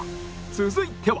続いては